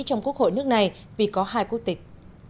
trong quốc hội nước này vì có hai quốc tịch